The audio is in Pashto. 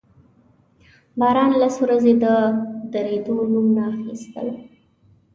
باران لس ورځې د درېدو نوم نه اخيستل.